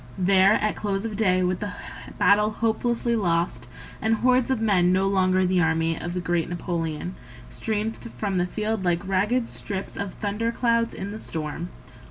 — There at close of day with the battle hopelessly lost, And hordes of men no longer the army Of the great Napoleon Streamed from the field like ragged strips Of thunder clouds in the storm.